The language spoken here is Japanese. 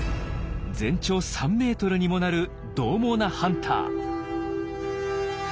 全長３ｍにもなるどう猛なハンター。